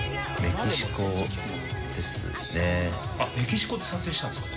メキシコで撮影したんですか？